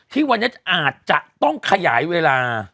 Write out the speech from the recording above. ที่วันนี้อาจจะต้องขยายเวลา